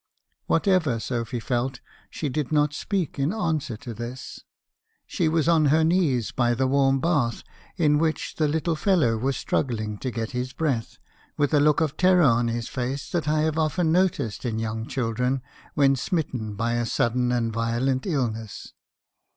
"Whatever Sophy felt, she did not speak in answer to this. She was on her knees by the warm bath, in which the little ME. HARBISON^ CONFESSIONS. 265 fellow was struggling to get his breath, with a look of terror on his face that I have often noticed in young children when smitten by a sudden and violent illness.